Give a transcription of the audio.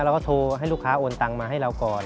เราก็โทรให้ลูกค้าโอนตังมาให้เราก่อน